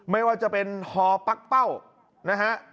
ไม่ว่าจะเป็นฮอปั๊กเป้านะฮะ